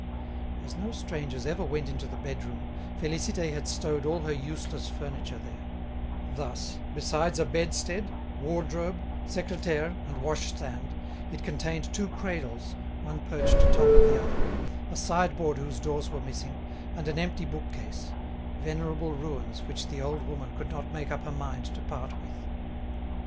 As no strangers ever went into the bedroom, Félicité had stowed all her useless furniture there; thus, besides a bedstead, wardrobe, secretaire, and wash stand, it contained two cradles, one perched atop of the other, a sideboard whose doors were missing, and an empty bookcase, venerable ruins which the old woman could not make up her mind to part with.